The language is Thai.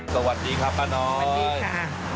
สวัสดีครับป้าน้อยสวัสดีค่ะ